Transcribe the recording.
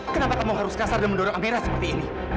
kenapa kamu harus kasar dan mendorong ampera seperti ini